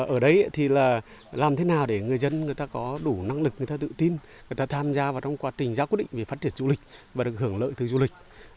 ở đây thì là làm thế nào để người dân người ta có đủ năng lực người ta tự tin người ta tham gia vào trong quá trình ra quyết định về phát triển du lịch và được hưởng lợi từ du lịch